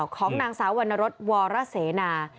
ของนางสาววรรณรสวรเสนา